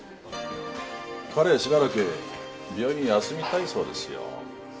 彼はしばらく病院を休みたいそうですよ